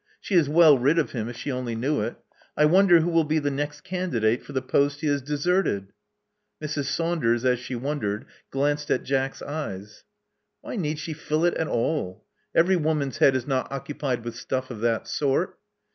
she is well rid of him if she only knew it. I wonder who will be the next candidate for the post he has deserted!" Mrs. Saunders, as she wondered, glanced at Jack's eyes. Why need she fill it at all? Every woman's head is not occupied with stuff of that sort."